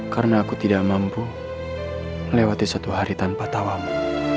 karena aku tidak mampu lewati satu hari tanpa tawamu